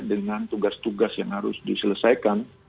dengan tugas tugas yang harus diselesaikan